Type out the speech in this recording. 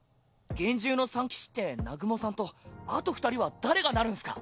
幻獣の三騎士って南雲さんとあと２人は誰がなるんすか？